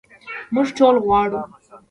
موږ ټول غواړو.